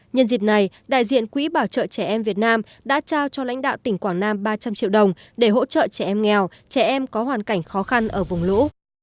nhân dịp này đại diện quỹ bảo trợ trẻ em việt nam đã trao cho lãnh đạo tỉnh quảng nam ba trăm linh triệu đồng để hỗ trợ trẻ em nghèo trẻ em có hoàn cảnh khó khăn ở vùng lũ